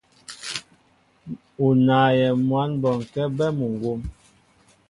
U naayɛ mwǎn bɔnkɛ́ bɛ́ muŋgwóm.